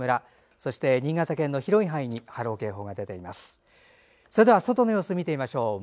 それでは外の様子見てみましょう。